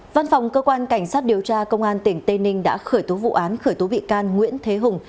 văn phòng cơ quan cảnh sát điều tra công an tỉnh tây ninh đã khởi tố vụ án khởi tố bị can nguyễn thế hùng